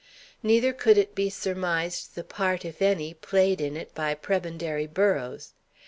Neither could it be surmised the part, if any, played in it by Prebendary Burrows.